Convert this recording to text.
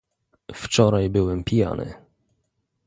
"Wczoraj byłem pijany..."